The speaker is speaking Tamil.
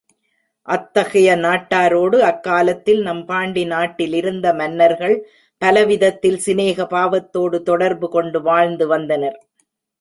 அத்தகைய நாட்டாரோடு அக்காலத்தில் நம் பாண்டி நாட்டிலிருந்த மன்னர்கள் பலவிதத்தில் சிநேக பாவத்தோடு தொடர்பு கொண்டு வாழ்ந்து வந்தனர்.